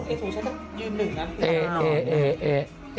เอ๊ทูชักยืนหนึ่งนะ